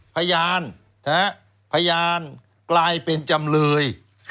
พยานพยานกลายเป็นจำเลย